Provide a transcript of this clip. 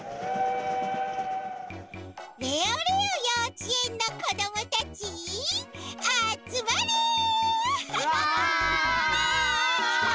レオレオようちえんのこどもたちあつまれ！わい！